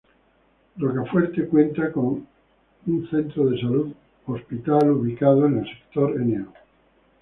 Rocafuerte cuenta con Centro de Salud Hospital, ubicado en el sector No.